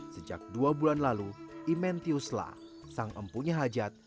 sejak dua bulan lalu imen tiusla sang empunya hajat